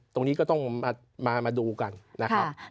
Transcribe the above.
ตรงนี้ก็ต้องมาดูกันนะครับ